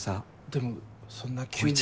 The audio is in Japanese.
でもそんな急に。